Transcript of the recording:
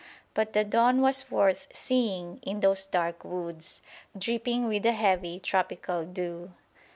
But the dawn was worth seeing in those dark woods, dripping with the heavy tropical dew.